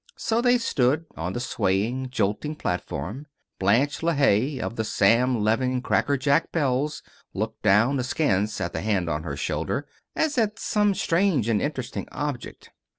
So they stood, on the swaying, jolting platform. Blanche LeHaye, of the Sam Levin Crackerjack Belles, looked down, askance, at the hand on her shoulder, as at some strange and interesting object.